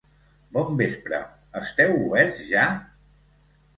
Bon vespre, esteu oberts ja?